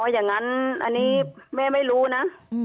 อย่างนั้นอันนี้แม่ไม่รู้นะ